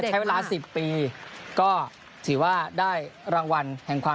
และนั้นไปรู้จักกับเขา